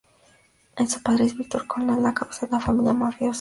Su padre es Vito Corleone, la cabeza de una familia mafiosa de Nueva York.